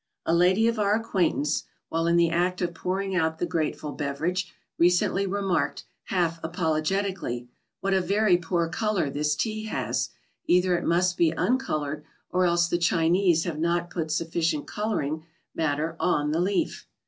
A lady of our acquaintance, while in the act of pouring out the grateful beverage, recently remarked, half apologetically: "What a very poor colour this Tea has! Either it must be uncoloured, or else the Chinese have not put sufficient colouring matter on the leaf!"